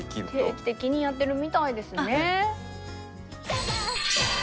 定期的にやってるみたいですね。